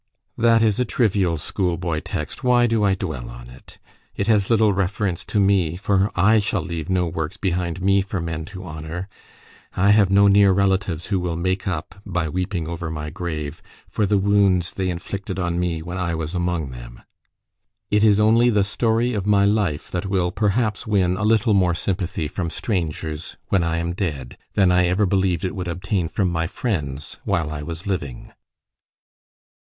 That is a trivial schoolboy text; why do I dwell on it? It has little reference to me, for I shall leave no works behind me for men to honour. I have no near relatives who will make up, by weeping over my grave, for the wounds they inflicted on me when I was among them. It is only the story of my life that will perhaps win a little more sympathy from strangers when I am dead, than I ever believed it would obtain from my friends while I was living.